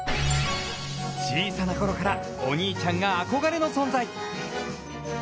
小さなころからお兄ちゃんが憧れの存在。